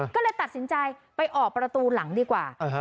ก็เลยตัดสินใจไปออกประตูหลังดีกว่า